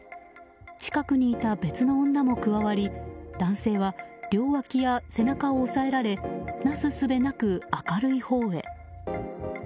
近くにいた別の女も加わり男性は両脇や背中を押さえられなすすべなく明るいほうへ。